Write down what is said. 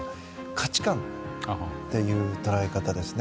価値観っていう捉え方ですね。